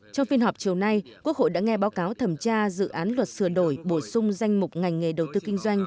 trong phiên họp chiều nay quốc hội đã nghe báo cáo thẩm tra dự án luật sửa đổi bổ sung danh mục ngành nghề đầu tư kinh doanh